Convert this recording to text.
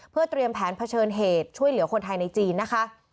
เพื่อเตรียมแผนเผชิญเหตุช่วยเหลือคนไทยในจีนนะคะ